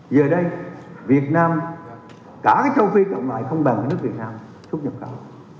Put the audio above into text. giờ đây việt nam cả châu phi cộng lại không bằng nước việt nam xuất nhập khẩu